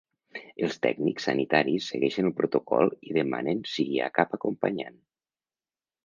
Els tècnics sanitaris segueixen el protocol i demanen si hi ha cap acompanyant.